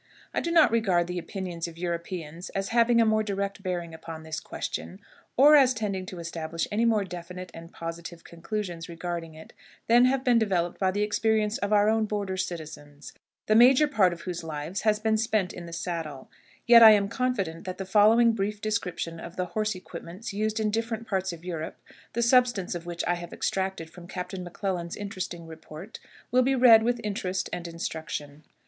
I do not regard the opinions of Europeans as having a more direct bearing upon this question, or as tending to establish any more definite and positive conclusions regarding it than have been developed by the experience of our own border citizens, the major part of whose lives has been spent in the saddle; yet I am confident that the following brief description of the horse equipments used in different parts of Europe, the substance of which I have extracted from Captain M'Clellan's interesting report, will be read with interest and instruction.